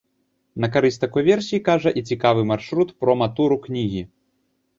На карысць такой версіі кажа і цікавы маршрут прома-туру кнігі.